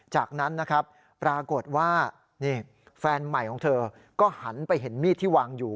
จากนั้นนะครับปรากฏว่านี่แฟนใหม่ของเธอก็หันไปเห็นมีดที่วางอยู่